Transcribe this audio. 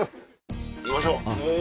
行きましょう。